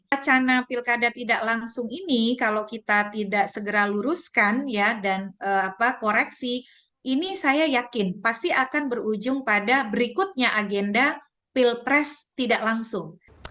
acara pilkada tidak langsung ini kalau kita tidak segera luruskan dan koreksi ini saya yakin pasti akan berujung pada berikutnya agenda pilpres tidak langsung